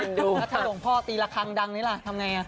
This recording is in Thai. เอ็นดูถ้าส่งพ่อตีละครั้งดังนี้ล่ะทำไงล่ะ